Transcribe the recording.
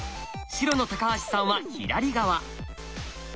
白の橋さんは左側。